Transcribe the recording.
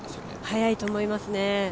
速いと思いますね。